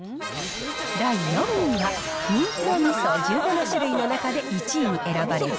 第４位は、人気のみそ１７種類の中で１位に選ばれた、